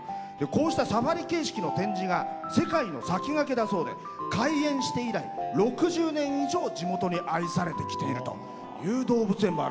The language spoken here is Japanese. こうしたサファリ形式の展示が世界の先駆けだそうで開園して以来、６０年以上地元に愛されてきてるんですね。